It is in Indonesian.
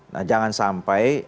nah jangan sampai